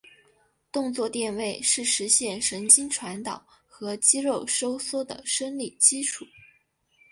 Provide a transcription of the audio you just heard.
动作电位是实现神经传导和肌肉收缩的生理基础。